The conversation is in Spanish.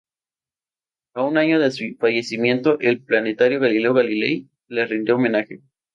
A un año de su fallecimiento el Planetario Galileo Galilei le rindió homenaje.